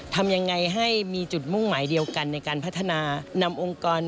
ทำยังไงให้มีจุดมุ่งหมายเดียวกันในการพัฒนานำองค์กร